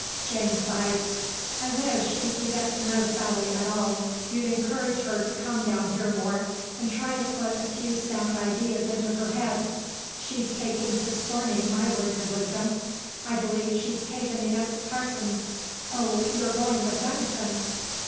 James sighed. "I wish, if you get to know Sally at all, you'd encourage her to come down here more, and try to put a few sound ideas into her head. She's taking to scorning my words of wisdom. I believe she's taken against parsons.... Oh, you're going with Denison."